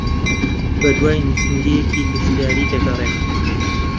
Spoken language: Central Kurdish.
بەدوای نووسینگەیەکی گەشتیاری دەگەڕێم.